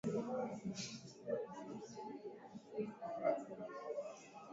Kupooza au kulemaa kwa viungo katika hatua za kukaribia kifo